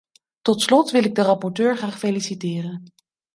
Tot slot wil ik de rapporteur graag feliciteren.